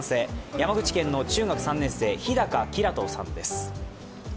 山口県の中学３年生、日高煌人さんです。